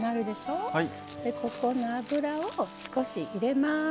ここの油を少し入れます。